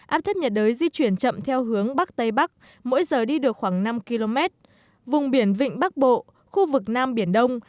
áp thấp nhiệt đới di chuyển chậm theo hướng bắc tây bắc mỗi giờ đi được khoảng năm km vùng biển vịnh bắc bộ khu vực nam biển đông